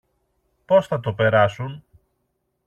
Πώς θα το περάσουν;